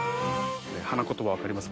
花言葉分かります？